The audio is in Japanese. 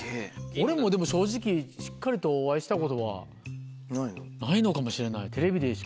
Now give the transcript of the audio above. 俺もでも正直しっかりとお会いしたことはないのかもしれない。